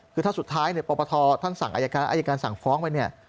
คือถ้าสุดท้ายปปทท่านสั่งอายการอายการสั่งฟ้องไปเนี่ย